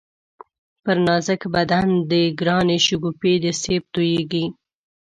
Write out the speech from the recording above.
پر نازک بدن دی گرانی شگوفې د سېب تویېږی